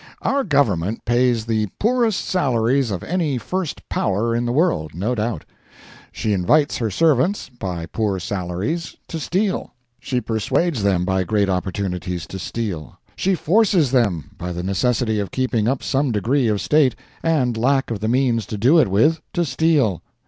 Our Government pays the poorest salaries of any first Power in the world, no doubt. She invites her servants, by poor salaries, to steal; she persuades them, by great opportunities, to steal; she forces them, by the necessity of keeping up some degree of state, and lack of the means to do it with, to steal.